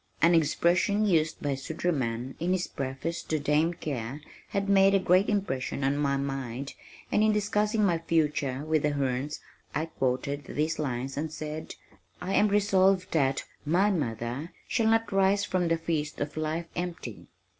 An expression used by Suderman in his preface to Dame Care had made a great impression on my mind and in discussing my future with the Hernes I quoted these lines and said, "I am resolved that my mother shall not 'rise from the feast of life empty.'